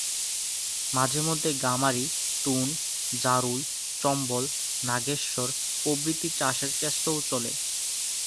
মাঝে মধ্যে গামারি, তুন, জারুল, চম্বল, নাগেশ্বর প্রভৃতি চাষের চেষ্টাও চলে।